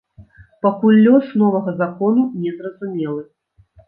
Пакуль лёс новага закону не зразумелы.